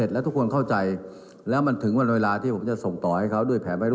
เลือกจะทำก็ทำไป